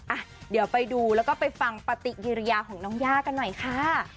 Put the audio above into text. อ่ะเดี๋ยวไปดูแล้วก็ไปฟังปฏิกิริยาของน้องย่ากันหน่อยค่ะ